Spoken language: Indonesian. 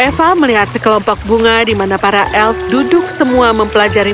eva melihat sekelompok bunga di mana para elf duduk semua mempelajari